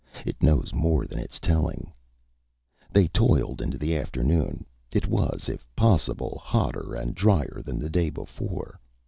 It knows more than it's telling. They toiled into the afternoon. It was, if possible, hotter and drier than the day before.